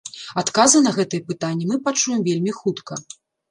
Адказы на гэтыя пытанні мы пачуем вельмі хутка.